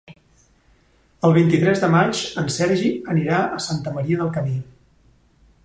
El vint-i-tres de maig en Sergi anirà a Santa Maria del Camí.